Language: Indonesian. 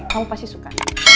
kamu pasti suka